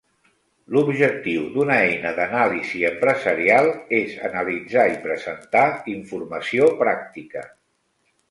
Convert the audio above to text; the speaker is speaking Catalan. L'objectiu d'una eina d'anàlisi empresarial és analitzar i presentar informació pràctica.